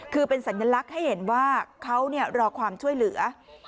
คือเป็นสัญลักษณ์ให้เห็นว่าเขารอความช่วยเหลือ